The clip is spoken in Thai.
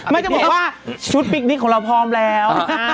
จะบอกว่าชุดปิ๊กนิกของเราพร้อมแล้ว